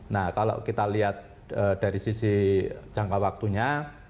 nah kalau kita lihat dari sisi jangka waktunya